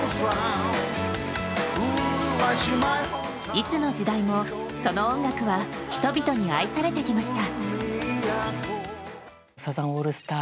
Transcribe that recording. いつの時代も、その音楽は人々に愛されてきました。